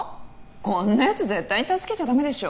こんなやつ絶対に助けちゃダメでしょ